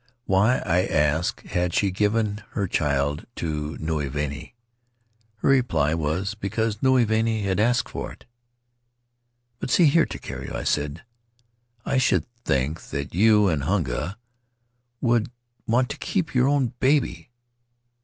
Why, I asked, had she given her child to Nui Vahine? Her reply was, because Nui Vahine had asked for it. "But, see here, Takiero," I said, "I should think that you and Hunga would want to keep your own baby.